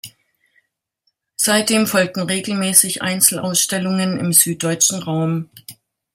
Seitdem folgten regelmäßig Einzelausstellungen im süddeutschen Raum.